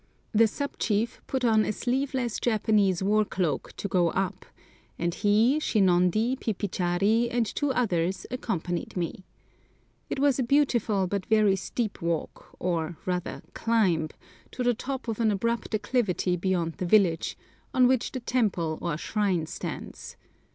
The sub chief put on a sleeveless Japanese war cloak to go up, and he, Shinondi, Pipichari, and two others accompanied me. It was a beautiful but very steep walk, or rather climb, to the top of an abrupt acclivity beyond the village, on which the temple or shrine stands.